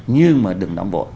nhưng mà đừng nóng vội